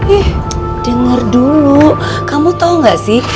ih dengar dulu kamu tau gak sih